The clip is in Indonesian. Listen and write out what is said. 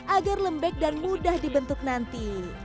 agar lembek dan mudah dibentuk nanti